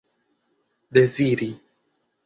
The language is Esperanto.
deziri